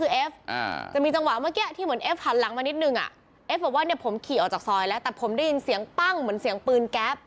เอ๊ะบอกว่าเนี่ยผมขี่ออกจากซอยแล้วแต่ผมได้ยินเสียงปั้งเหมือนเสียงปืนแก๊บ